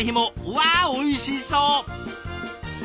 わあおいしそう！